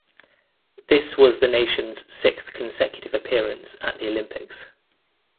This was the nation's sixth consecutive appearance at the Olympics.